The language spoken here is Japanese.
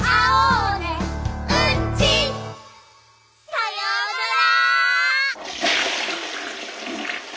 さようなら！